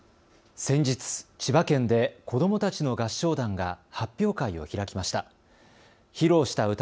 先日、千葉県で子どもたちの合唱団が発表会を開きました。